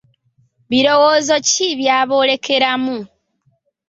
Birowoozo ki by’aboolekeramu